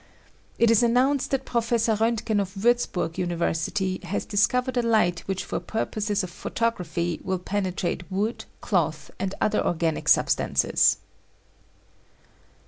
It is announced that Professor Roentgen of Wiirzburg University has discovered a light which for purposes of photography will penetrate wood, cloth and other organic substances."